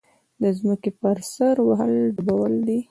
د ځمکې پر سر وهل ډبول دي.